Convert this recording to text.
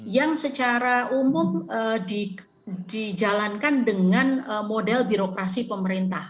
yang secara umum dijalankan dengan model birokrasi pemerintah